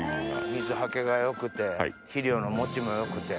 水はけがよくて肥料の持ちもよくて。